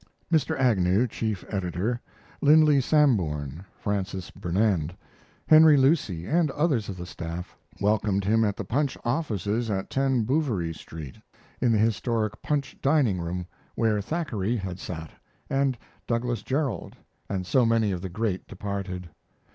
Mr. Agnew, chief editor; Linley Sambourne, Francis Burnand, Henry Lucy, and others of the staff welcomed him at the Punch offices at 10 Bouverie Street, in the historic Punch dining room where Thackeray had sat, and Douglas Jerrold, and so many of the great departed.